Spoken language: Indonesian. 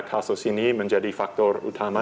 kasus ini menjadi faktor utama